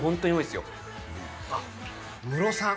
あっ、ムロさん。